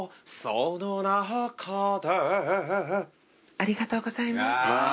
ありがとうございます。